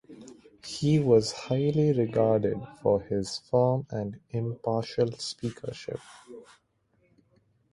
He was highly regarded for his firm and impartial speakership.